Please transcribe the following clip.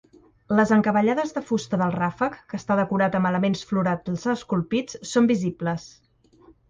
Les encavallades de fusta del ràfec, que està decorat amb elements florals esculpits, són visibles.